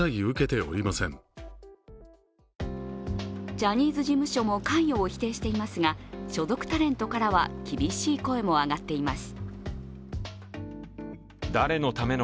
ジャニーズ事務所も関与を否定していますが所属タレントからは厳しい声も上がっています。